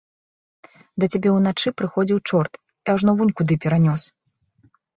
Да цябе ўначы прыходзіў чорт і ажно вунь куды перанёс!